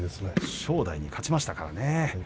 正代に勝ちましたからね。